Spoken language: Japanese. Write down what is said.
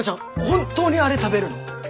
本当にあれ食べるの？